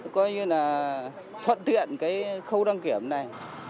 coi như là thuận tiện cái khâu đăng kiểm này